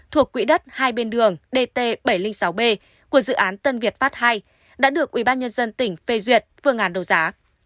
thuộc quỹ đất hai bên đường dt bảy trăm linh sáu b của dự án tân việt pháp ii đã được ubnd tỉnh phê duyệt vừa ngàn đầu giá